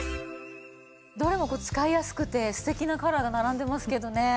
どれも使いやすくて素敵なカラーが並んでますけどね。